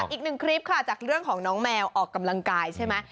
อีกหนึ่งคลิปค่ะจากเรื่องของน้องแมวออกกำลังกายใช่ไหม